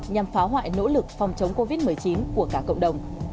nhằm phá hoại nỗ lực phòng chống covid một mươi chín của cả cộng đồng